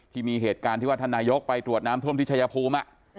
ที่มีเหตุการณ์ที่ว่าท่านนายกไปตรวจน้ำท่วมที่ชายภูมิ